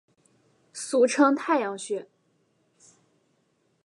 俗称太阳穴。